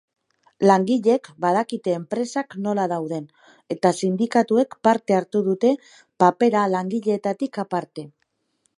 Langilek badakite enpresak nola dauden eta sindikatuek hartu dute papera langileetatik aparte.